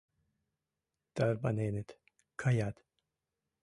Тарваненыт, каят...